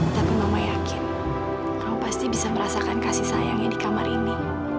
tapi mama yakin kamu pasti bisa merasakan kasih sayangnya di kamar ini